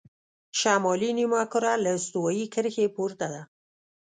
شمالي نیمهکره له استوایي کرښې پورته ده.